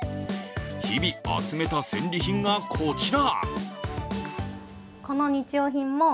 日々集めた戦利品がこちら。